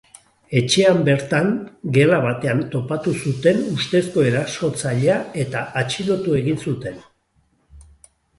Etxean bertan, gela batean topatu zuten ustezko erasotzailea eta atxilotu egin zuten.